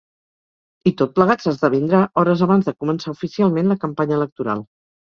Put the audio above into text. I tot plegat s’esdevindrà hores abans de començar oficialment la campanya electoral.